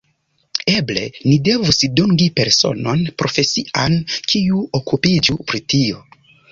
Eble ni devus dungi personon profesian kiu okupiĝu pri tio.